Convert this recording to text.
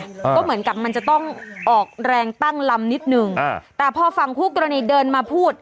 ก็เหมือนกับมันจะต้องออกแรงตั้งลำนิดหนึ่งอ่าแต่พอฝั่งคู่กรณีเดินมาพูด